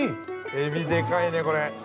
◆エビでかいね、これ。